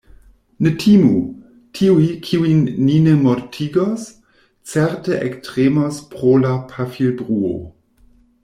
Ne timu! Tiuj, kiujn ni ne mortigos, certe ektremos pro la pafilbruo.